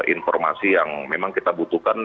informasi yang memang kita butuhkan